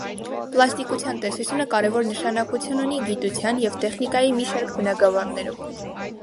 Պլաստիկության տեսությունը կարևոր նշանակություն ունի գիտության և տեխնիկայի մի շարք բնագավառներում։